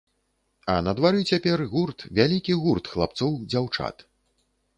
А на двары цяпер гурт, вялікі гурт хлапцоў, дзяўчат.